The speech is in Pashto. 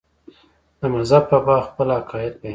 د مذهب په باب خپل عقاید بیانوي.